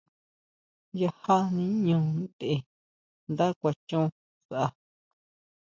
Yajá niño ntʼe, nda kuan chon sʼa.